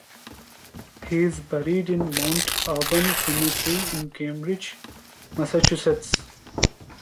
He is buried in Mount Auburn Cemetery in Cambridge, Massachusetts.